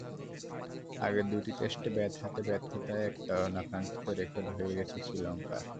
আগের দুটি টেস্টে ব্যাট হাতে ব্যর্থতায় একটা অনাকাঙ্ক্ষিত রেকর্ডও হয়ে গেছে শ্রীলঙ্কার।